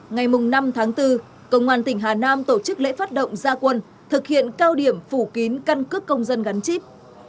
ngày năm tháng bốn công an tỉnh hà nam tổ chức lễ phát động gia quân thực hiện cao điểm phủ kín căn cước công dân gắn chip